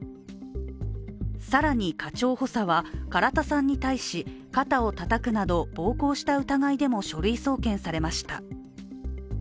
更に、課長補佐は唐田さんに対し、肩をたたくなど暴行した疑いでも書類送検されました。